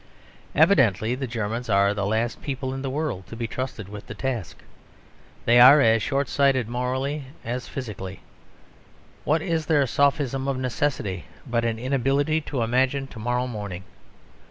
Evidently the Germans are the last people in the world to be trusted with the task. They are as shortsighted morally as physically. What is their sophism of "necessity" but an inability to imagine to morrow morning?